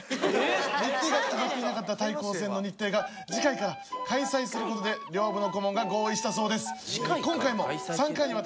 日程が決まっていなかった対抗戦の日程が次回から開催することで両部の顧問が合意したそうです。